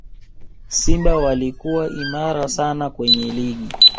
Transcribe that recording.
simba walikuwa imara sana kwenye ligi